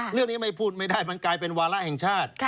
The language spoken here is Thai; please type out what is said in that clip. เรื่องนี้ไม่พูดไม่ได้มันกลายเป็นวาระแห่งชาติ